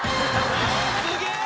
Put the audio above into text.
すげえ。